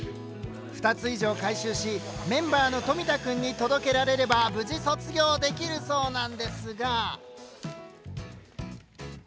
２つ以上回収しメンバーの冨田君に届けられれば無事卒業できるそうなんですが。